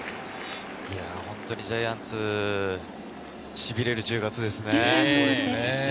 本当にジャイアンツ、しびれる１０月ですね。